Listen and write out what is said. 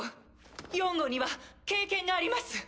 ４号には経験があります。